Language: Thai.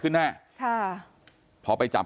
กลุ่มตัวเชียงใหม่